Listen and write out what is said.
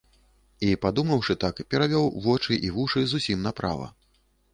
І, падумаўшы так, перавёў вочы і вушы зусім направа.